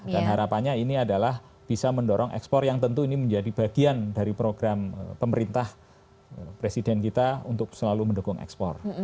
dan harapannya ini adalah bisa mendorong ekspor yang tentu ini menjadi bagian dari program pemerintah presiden kita untuk selalu mendukung ekspor